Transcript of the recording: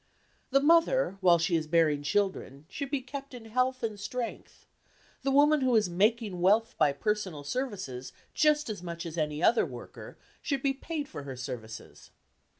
The mother while she is bearing children should be "kept" in health and strength; the woman who is making wealth by personal services just as much as any other worker, should be paid for her services.